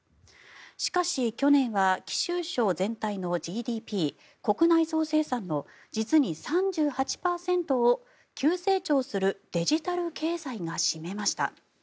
しかし、去年は貴州省全体のＧＤＰ・国内総生産の実に３８％を急成長するデジタル経済が占めました。